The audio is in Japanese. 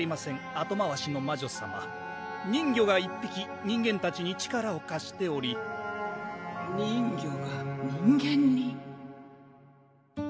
あとまわしの魔女さま人魚が１匹人間たちに力をかしており人魚が人間に？